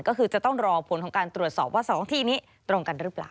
ก็คือจะต้องรอผลของการตรวจสอบว่า๒ที่นี้ตรงกันหรือเปล่า